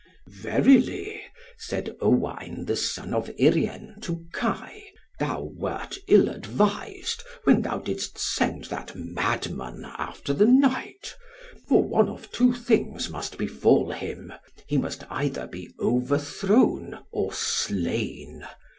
"Verily," said Owain the son of Urien to Kai, "thou wert ill advised, when thou didst send that madman after the knight, for one of two things must befall him. He must either be overthrown, or slain.